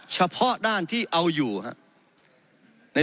เฉพาะด้านที่เอาอยู่ครับ